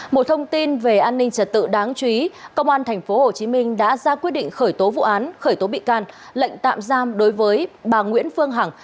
một thông tin về an ninh trật tự đáng chú ý công an tp hcm đã ra quyết định khởi tố vụ án khởi tố bị can lệnh tạm giam đối với bà nguyễn phương hằng